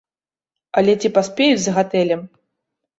Але ці паспеюць з гатэлем?